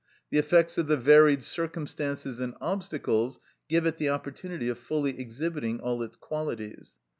The effects of the varied circumstances and obstacles give it the opportunity of fully exhibiting all its qualities.